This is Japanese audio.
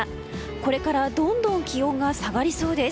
これからどんどん気温が下がりそうです。